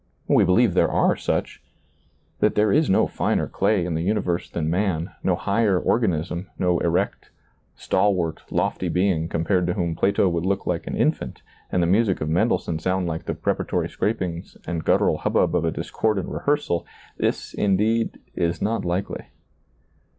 We believe there are such ; that there is no finer clay in the universe than man, no higher organism, no erect, stalwart, lofty being compared to whom Plato would look like an infant, and the music of Mendelssohn sound like the preparatory scrapings and guttural hubbub of a discordant rehearsal, this indeed, is not likely.